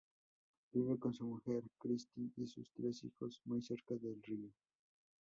Vive con su mujer Christy y sus tres hijos, muy cerca del río St.